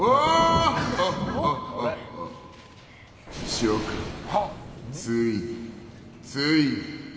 諸君、ついについに！